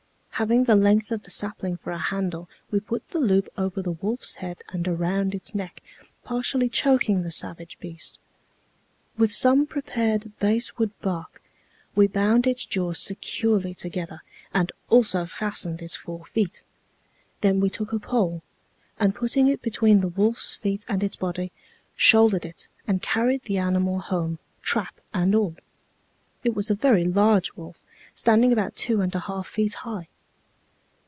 Having the length of the sapling for a handle, we put the loop over the wolfs head and around its neck, partially choking the savage beast. With some prepared basswood bark we bound its jaws securely together, and also fastened its four feet. Then we took a pole, and putting it between the wolf's feet and its body, shouldered it, and carried the animal home, trap and all. It was a very large wolf, standing about two and a half feet high."